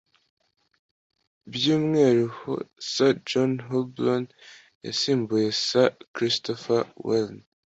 By'umwihariko Sir John Houblon yasimbuye Sir Christopher Wren?